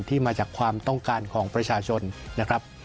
มาจากความต้องการของประชาชนนะครับ